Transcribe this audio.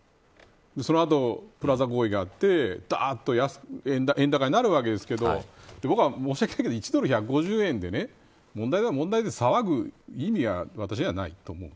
そのあとプラザ合意があって円高になるわけですけど僕は、申しわけないけど１ドル１５０円で問題だ問題だと騒ぐ意味は私はないと思う。